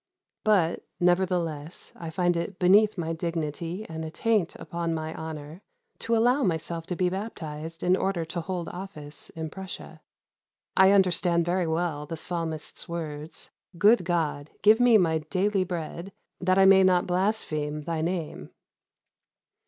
But, nevertheless, I find it beneath my dignity and a taint upon my honor, to allow myself to be baptized in order to hold office in Prussia. I understand very well the Psalmist's words: 'Good God, give me my daily bread, that I may not blaspheme thy name!'"